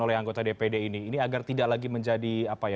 oleh anggota dpd ini ini agar tidak lagi menjadi apa ya